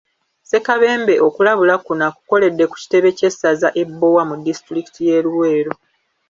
Ssekabembe okulabula kuno akukoledde ku kitebe ky'essaza e Bbowa mu disitulikiti y'e Luweero